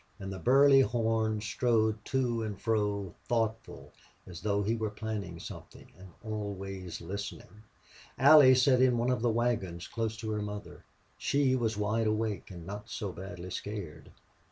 And the burly Horn strode to and fro, thoughtful, as though he were planning something, and always listening. Allie sat in one of the wagons close to her mother. She was wide awake and not so badly scared.